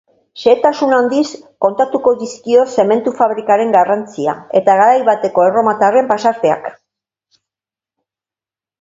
Xehetasun handiz kontatuko dizkio zementu fabrikaren garrantzia eta garai bateko erromatarren pasarteak.